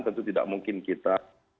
tentu tidak mungkin kita